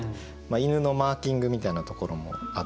犬のマーキングみたいなところもあって。